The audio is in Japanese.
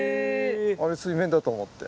あれ水面だと思って。